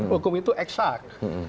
hukum itu eksak